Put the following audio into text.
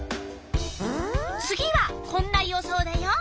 次はこんな予想だよ。